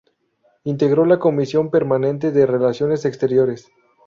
Integró la Comisión Permanente de Relaciones Exteriores.